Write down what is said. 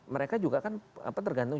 mereka juga kan tergantung